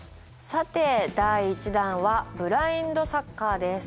さて第１弾はブラインドサッカーです。